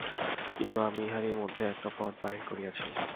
কিন্তু আমি ইহারই মধ্যে একটি পথ বাহির করিয়াছি।